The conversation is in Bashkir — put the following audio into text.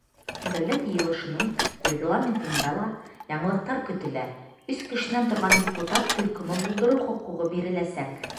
Дәүләт Йыйылышының Регламентында ла яңылыҡтар көтөлә: өс кешенән торған депутат төркөмө булдырыу хоҡуғы биреләсәк.